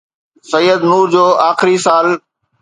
سيد نور جو آخري سال